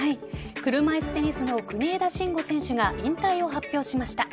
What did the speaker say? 車いすテニスの国枝慎吾選手が引退を発表しました。